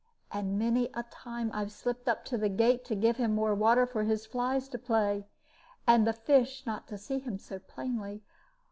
And many a time I have slipped up the gate, to give him more water for his flies to play, and the fish not to see him so plainly.